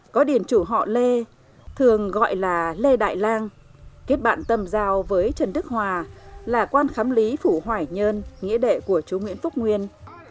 có điền chủ họ lê thường gọi là lê đại lan kết bạn tâm giao với trần đức hòa là quan khám lý phủ hoài nhơn nghĩa đệ của chú nguyễn phúc nguyên